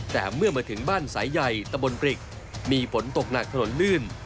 แต่เมื่อมาถึงบ้านสายใหญ่ตะบนปริกมีฝนตกหนักถนนลื่น